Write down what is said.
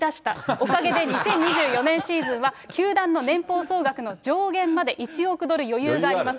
おかげで２０２４年シーズンは、球団の年俸総額の上限まで１億ドル余裕があります。